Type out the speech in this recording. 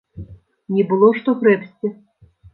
Не было што грэбсці!